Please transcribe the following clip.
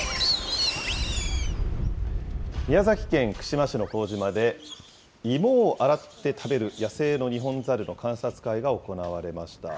宮崎県串間市の幸島で芋を洗って食べる野生のニホンザルの観察会が行われました。